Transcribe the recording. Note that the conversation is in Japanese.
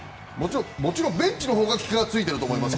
もちろん、ベンチのほうが気がついていると思いますよ。